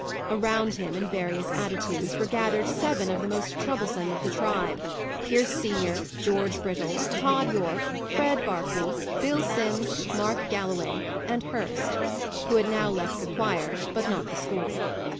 Around him, in various attitudes, were gathered seven of the most troublesome of the tribe Pierce senior, George Brittle, Tod Yorke, Fred Berkeley, Bill Simms, Mark Galloway, and Hurst, who had now left the choir, but not the school.